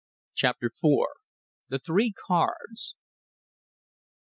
CHAPTER FOUR. THE THREE CARDS.